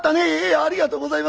ありがとうございます。